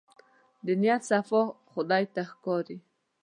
د نيت صفا خدای ته ښکاري.